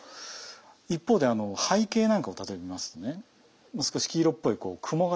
一方であの背景なんかを例えば見ますとね少し黄色っぽい雲形っていう。